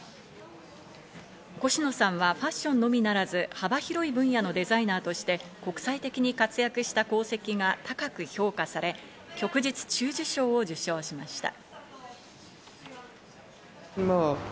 コシノさんはファッションのみならず、幅広い分野のデザイナーとして国際的に活躍した功績が高く評価され、旭日中綬章を受章しました。